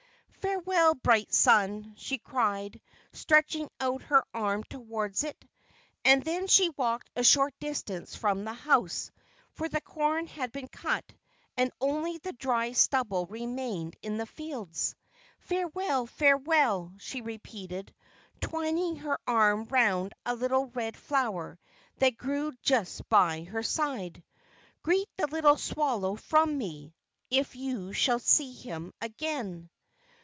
"Farewell, bright sun!" she cried, stretching out her arm toward it. And then she walked a short distance from the house; for the corn had been cut, and only the dry stubble remained in the fields. "Farewell! Farewell!" she repeated, twining her arm round a little red flower that grew just by her side. "Greet the little swallow from me, if you should see him again."